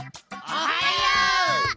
おはよう！